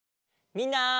みんな。